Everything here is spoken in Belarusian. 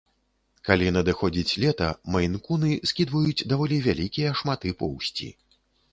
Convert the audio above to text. Калі надыходзіць лета, мэйн-куны скідваюць даволі вялікія шматы поўсці.